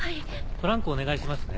トランクをお願いしますね。